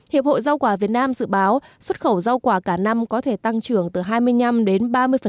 hiệp hội rau quả việt nam dự báo xuất khẩu rau quả cả năm có thể tăng trưởng từ hai mươi năm đến ba mươi